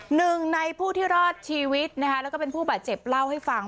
หนึ่งในผู้ที่รอดชีวิตนะคะแล้วก็เป็นผู้บาดเจ็บเล่าให้ฟัง